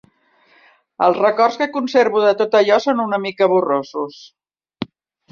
Els records que conservo de tot allò són una mica borrosos